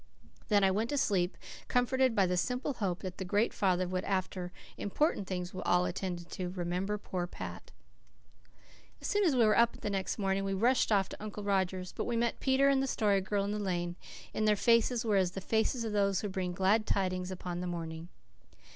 Then I went to sleep, comforted by the simple hope that the Great Father would, after "important things" were all attended to, remember poor Pat. As soon as we were up the next morning we rushed off to Uncle Roger's. But we met Peter and the Story Girl in the lane, and their faces were as the faces of those who bring glad tidings upon the mountains.